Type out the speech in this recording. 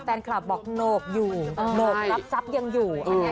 แฟนคลับบอกโหนกอยู่โหนกรับทรัพย์ยังอยู่